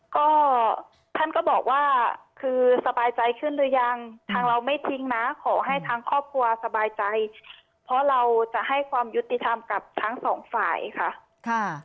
ก็ท่านก็บอกว่าคือสบายใจขึ้นหรือยังทางเราไม่ทิ้งนะขอให้ทางครอบครัวสบายใจเพราะเราจะให้ความยุติธรรมกับทั้งสองฝ่ายค่ะ